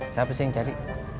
siapa sih yang mencari